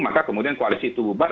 maka kemudian koalisi itu bubar